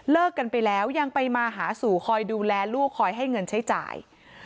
กันไปแล้วยังไปมาหาสู่คอยดูแลลูกคอยให้เงินใช้จ่าย